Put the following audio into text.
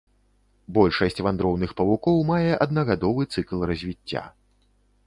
Большасць вандроўных павукоў мае аднагадовы цыкл развіцця.